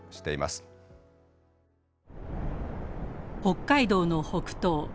北海道の北東。